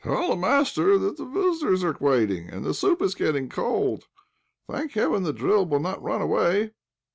"Tell the master that the visitors are waiting, and the soup is getting cold. Thank heaven, the drill will not run away.